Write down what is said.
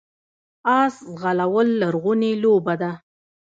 اس ځغلول لرغونې لوبه ده